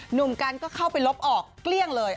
หนุ่มกันก็เข้าไปลบออกเกลี้ยงเลย